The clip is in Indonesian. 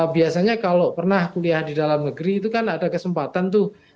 biasanya kalau pernah kuliah di dalam negeri itu kan ada kesempatan tuh